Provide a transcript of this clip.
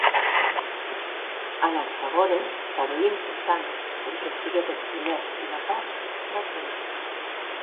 Anaxagores tanben ei important perque siguec eth prumèr filosòf d'Atenes.